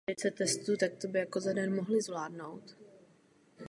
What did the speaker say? Poté nás reprezentovala na mezinárodní ekologické soutěži Miss Earth ve Vietnamu.